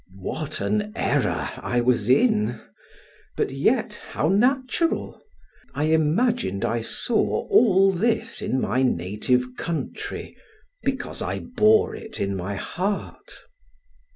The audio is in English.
What an error was I in! but yet how natural! I imagined I saw all this in my native country, because I bore it in my heart.